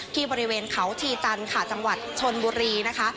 ที่บริเวณเขาชีจันทร์ค่ะจังหวัดชนบุรีนะคะ